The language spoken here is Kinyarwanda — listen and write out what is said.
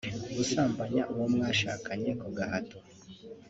gusambanya uwo mwashakanye ku gahato